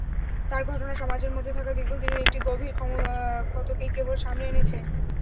তাঁর ঘটনা সমাজের মধ্যে থাকা দীর্ঘদিনের একটি গভীর ক্ষতকেই কেবল সামনে এনেছে।